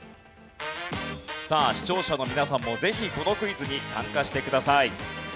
さあ視聴者の皆さんもぜひこのクイズに参加してください。